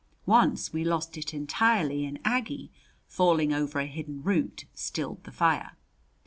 Once we lost it entirely, and Aggie, falling over a hidden root, stilled the fire.